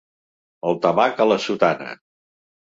El tabac a la sotana.